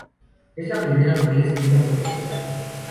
Es la primera novela escrita por la autora.